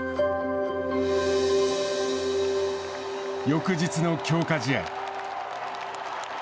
翌日の強化試合。